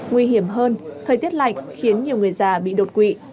nguy hiểm hơn thời tiết lạnh khiến nhiều người già bị đột quỵ